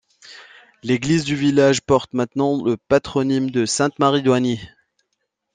L'église du village porte maintenant le patronyme de Sainte Marie d’Oignies.